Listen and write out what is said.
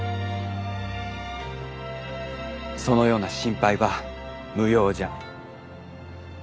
そのような心配は無用じゃ。